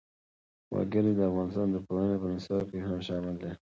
وګړي د افغانستان د پوهنې په نصاب کې هم شامل دي.